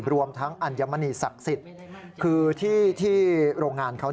รวมทั้งอัญมณีศักดิ์สิทธิ์คือที่โรงงานเขา